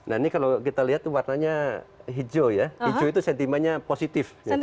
nah ini kalau kita lihat warnanya hijau ya hijau itu sentimennya positif